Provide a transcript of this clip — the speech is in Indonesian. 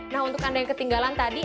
nah untuk anda yang ketinggalan tadi